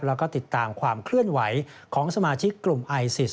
แล้วก็ติดตามความเคลื่อนไหวของสมาชิกกลุ่มไอซิส